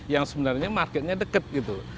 yang sebenarnya marketnya deket gitu